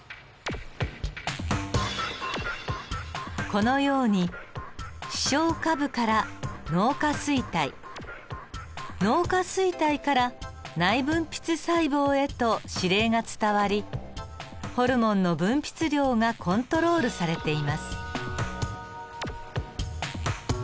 このように視床下部から脳下垂体脳下垂体から内分泌細胞へと指令が伝わりホルモンの分泌量がコントロールされています。